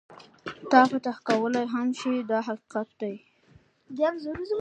تا فتح کولای هم شي دا حقیقت دی.